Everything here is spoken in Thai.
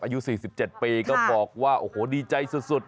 อายุ๔๗ปีก็บอกว่าโอ้โหดีใจสุด